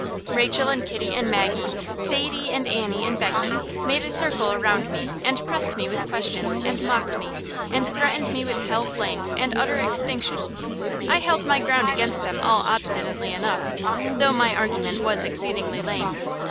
Rachel and Kitty and Maggie, Sadie and Annie and Beckie, made a circle around me, and pressed me with questions, and mocked me, and threatened me with hell flames and utter extinction. I held my ground against them all obstinately enough, though my argument was exceedingly lame.